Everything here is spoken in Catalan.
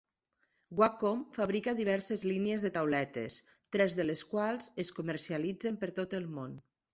Wacom fabrica diverses línies de tauletes, tres de les quals es comercialitzen per tot el món.